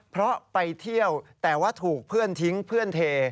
เพราะไปเที่ยวแต่ว่าถูกเพื่อนทิ้งเพื่อนเท